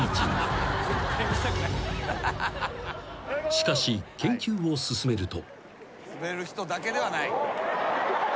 ［しかし研究を進めると］